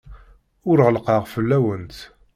Ur ɣellqeɣ fell-awent.